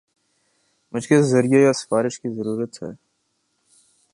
مجھے کس ذریعہ یا سفارش کی ضرورت ہے